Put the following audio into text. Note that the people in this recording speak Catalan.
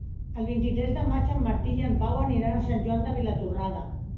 El vint-i-tres de maig en Martí i en Pau aniran a Sant Joan de Vilatorrada.